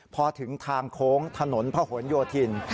พอถึงทางโค้งถนนพระหลโยธิน